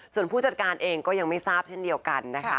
ส่วนผู้จัดการเองก็ยังไม่ทราบเช่นเดียวกันนะคะ